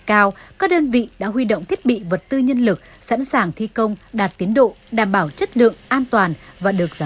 cầu phật tích một công trình được xây dựng trên dòng sông đuống